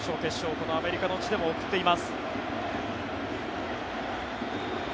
このアメリカの地でも送っています。